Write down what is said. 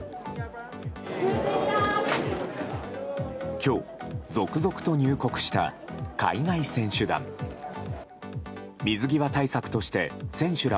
今日、続々と入国した海外選手団。